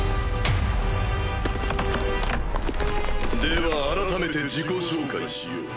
では改めて自己紹介しよう。